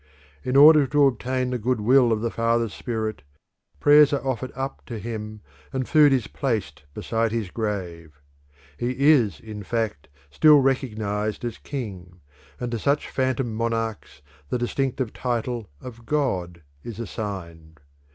In order to obtain the goodwill of the father spirit, prayers are offered up to him and food is placed beside his grave. He is, in fact, still recognised as king, and to such phantom monarchs the distinctive title of god is assigned.